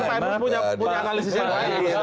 pak imru punya analisisnya